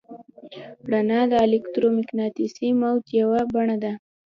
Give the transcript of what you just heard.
رڼا د الکترومقناطیسي موج یوه بڼه ده.